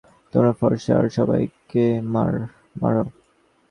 তোমরা ফর্সা রা সবাইকে মার!